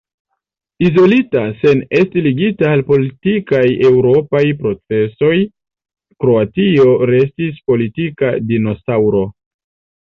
Izolita, sen esti ligita al la politikaj eŭropaj procesoj, Kroatio restis politika dinosaŭro.